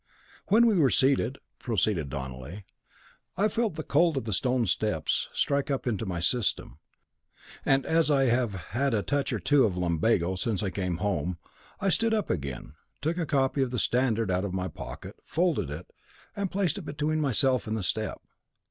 "When we were seated," proceeded Donelly, "I felt the cold of the stone steps strike up into my system, and as I have had a touch or two of lumbago since I came home, I stood up again, took a copy of the Standard out of my pocket, folded it, and placed it between myself and the step.